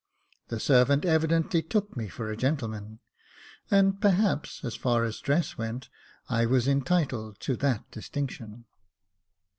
The servant evidently took me for a gentleman ; and perhaps, as far as dress went, I was entitled to that distinction.